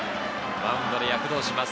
マウンドで躍動します